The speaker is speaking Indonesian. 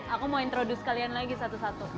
aku mau introduce kalian lagi satu satu